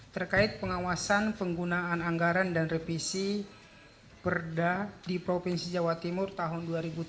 terkait pengawasan penggunaan anggaran dan revisi perda di provinsi jawa timur tahun dua ribu tujuh belas